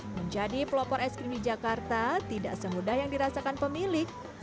menjadi pelopor es krim di jakarta tidak semudah yang dirasakan pemilik